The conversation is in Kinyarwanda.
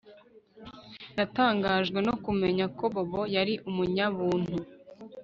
Natangajwe no kumenya ko Bobo yari umunyabuntu